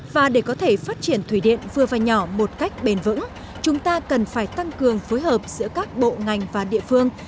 và để có thể phát triển thủy điện vừa và nhỏ một cách bền vững chúng ta cần phải tăng cường phối hợp giữa các bộ ngành và địa phương